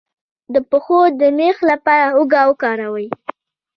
د پښو د میخ لپاره هوږه وکاروئ